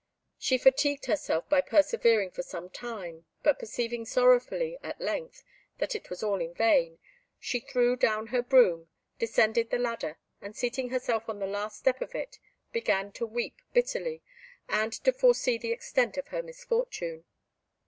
She fatigued herself by persevering for some time, but perceiving sorrowfully, at length, that it was all in vain, she threw down her broom, descended the ladder, and seating herself on the last step of it, began to weep bitterly, and to foresee the extent of her misfortune.